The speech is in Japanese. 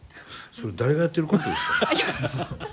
それ誰がやってるコントですか？